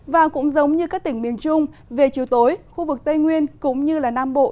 và cũng giống như các tỉnh miền trung về chiều tối khu vực tây nguyên cũng như nam bộ